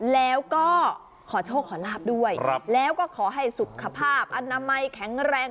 แล้วก็ขอโชคขอลาบด้วยแล้วก็ขอให้สุขภาพอนามัยแข็งแรง